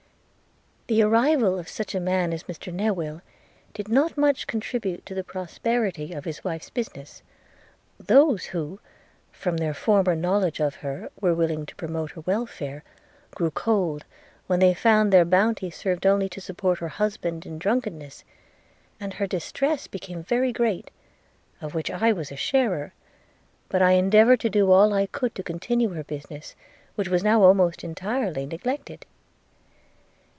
'The arrival of such a man as Mr Newill did not much contribute to the prosperity of his wife's business – Those who, from their former knowledge of her, were willing to promote her welfare, grew cold when they found their bounty served only to support her husband in drunkenness, and her distress became very great, of which I was a sharer; but I endeavoured to do all I could to continue her business, which was now almost entirely neglected.